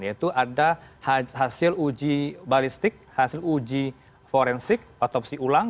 yaitu ada hasil uji balistik hasil uji forensik otopsi ulang